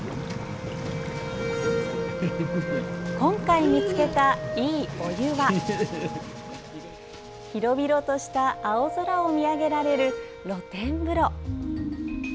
今回見つけたいいお湯は広々とした青空を見上げられる露天風呂。